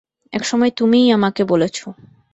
এক সময় তুমিই আমাকে বলেছ।